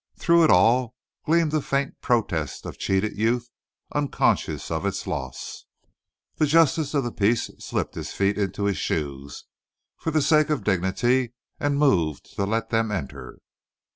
Through it all gleamed a faint protest of cheated youth unconscious of its loss. The Justice of the Peace slipped his feet into his shoes, for the sake of dignity, and moved to let them enter.